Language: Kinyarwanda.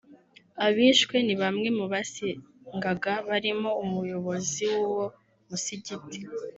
Abishwe ni bamwe mu basengaga barimo umuyobozi w’uwo musigiti